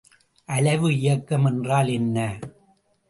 அலைவு இயக்கம் என்றால் என்ன?